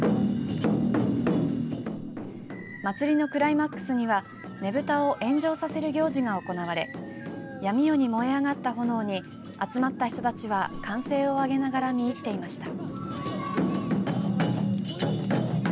祭りのクライマックスにはねぶたを炎上させる行事が行われ闇夜に燃え上がった炎に集まった人たちは歓声を上げながら見入っていました。